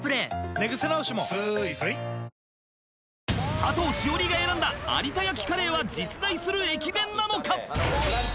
佐藤栞里が選んだ有田焼カレーは実在する駅弁なのか？